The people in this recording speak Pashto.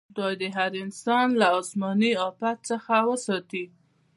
خدای دې هر انسان له اسماني افت څخه وساتي.